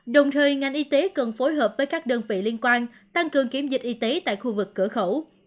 đồng thời ngành y tế cần phối hợp với các đơn vị liên quan tăng cường kiểm dịch y tế tại khu vực cửa khẩu